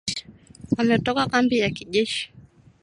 Wametoka kambi ya kijeshi